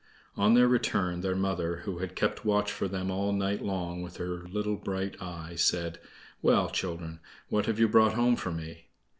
On their return, their mother, who had kept watch for them all night long with her little bright eye, said: "Well, children, what have you brought home for me?"